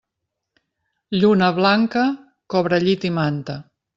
Lluna blanca, cobrellit i manta.